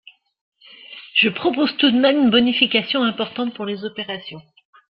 Je propose tout de même une bonification importante pour les opérations.